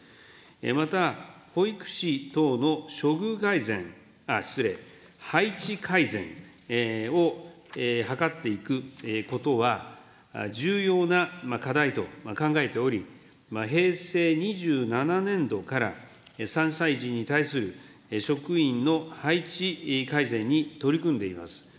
また、保育士等の処遇改善、失礼、配置改善を図っていくことは、重要な課題と考えており、平成２７年度から、３歳児に対する職員の配置改善に取り組んでいます。